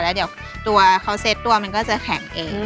แล้วเดี๋ยวตัวเขาเซ็ตตัวมันก็จะแข็งเอง